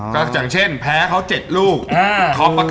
ก็อย่างเช่นแพ้เขา๗ลูก